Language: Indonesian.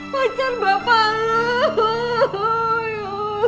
pacar bapak lo